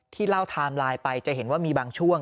เล่าไทม์ไลน์ไปจะเห็นว่ามีบางช่วง